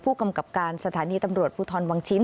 ผู้กำกับการสถานีตำรวจภูทรวังชิ้น